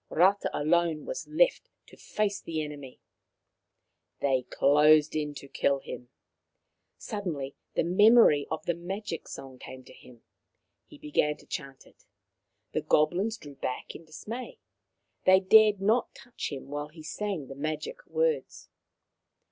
Rata alone was left to face the enemy. They closed in to kill him. Suddenly the memory of the magic song came to him. He began to chant it. The goblins drew back in dismay. They dared not touch him while he sang the magic words.